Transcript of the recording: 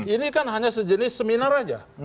ini kan hanya sejenis seminar aja